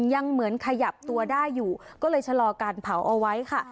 ยังเหมือนขยับตัวได้อยู่ก็เลยชะลอการเผาเอาไว้ค่ะ